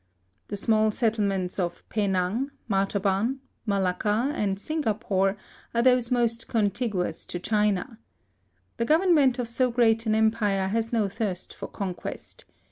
The small settlements of Penang, Martaban, Malacca, and Singapore, are those most contiguous to China. The government of so great an Empire has no thirst for conquest.